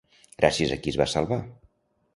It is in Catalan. Gràcies a qui es va salvar?